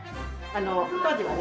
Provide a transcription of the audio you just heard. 当時はね